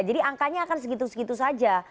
jadi angkanya akan segitu segitu saja